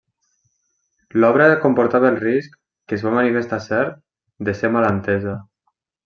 L'obra comportava el risc, que es va manifestar cert, de ser mal entesa.